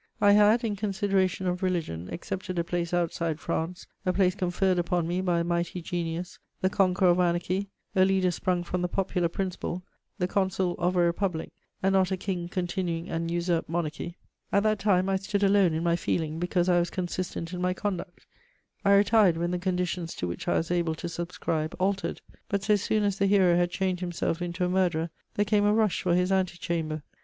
I had, in consideration of religion, accepted a place outside France, a place conferred upon me by a mighty genius, the conqueror of anarchy, a leader sprung from the popular principle, the consul of a republic, and not a king continuing an usurped monarchy; at that time I stood alone in my feeling, because I was consistent in my conduct; I retired when the conditions to which I was able to subscribe altered; but, so soon as the hero had changed himself into a murderer, there came a rush for his ante chamber.